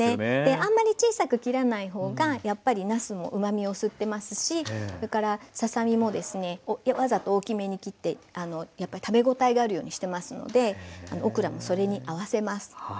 あんまり小さく切らないほうがやっぱりなすもうまみを吸ってますしそれからささ身もですねわざと大きめに切って食べごたえがあるようにしてますのでオクラもそれに合わせます。